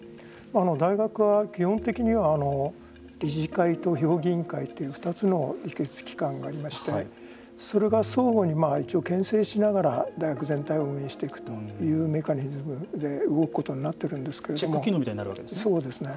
大学は基本的には理事会と評議員会という２つの議決機関がありましてそれが相互にけん制しながら大学全体を運営していくというメカニズムで動くことにチェック機能みたいにそうですね。